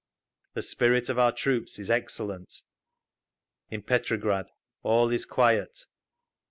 The spirit of our troops is excellent. In Petrograd all is quiet.